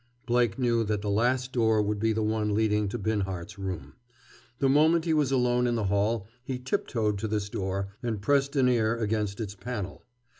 Blake knew that the last door would be the one leading to Binhart's room. The moment he was alone in the hall he tiptoed to this door and pressed an ear against its panel.